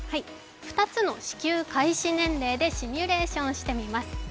２つの支給開始年齢でシミュレーションをしてみます。